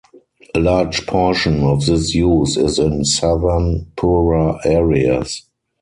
A large portion of this use is in southern, poorer areas.